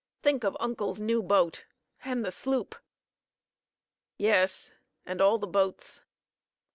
Think of uncle's new boat and the sloop!" "Yes; and all the boats."